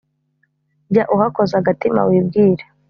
Jya uhakoza agatima wibwire,